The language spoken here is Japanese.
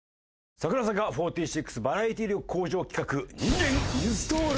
櫻坂４６バラエティ力向上企画人間インストール！